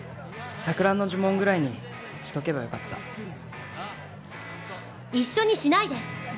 錯乱の呪文ぐらいにしとけばよかった一緒にしないで！